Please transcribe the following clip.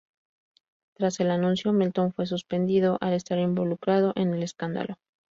Tras el anuncio, Melton fue suspendido al estar involucrado en el escándalo.